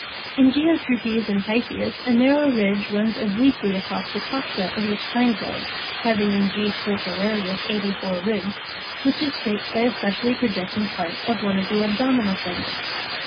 In Geotrupes and Typhoeus, a narrow ridge runs obliquely across (r, Fig. 26) the coxa of each hind leg (having in G. stercorarius 84 ribs), which is scraped by a specially projecting part of one of the abdominal segments.